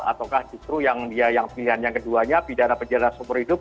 ataukah justru yang pilihan yang keduanya pidana penjara seumur hidup